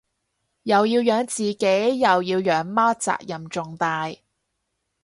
又要養自己又要養貓責任重大